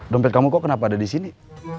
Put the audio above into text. dompet kamu kok kenapa ada di sini